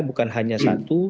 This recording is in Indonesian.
bukan hanya satu